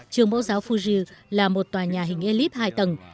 trường mẫu giáo fuji là một tòa nhà hình elif hai tầng